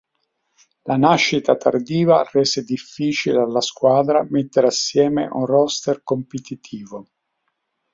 La nascita tardiva rese difficile alla squadra mettere assieme un "roster" competitivo.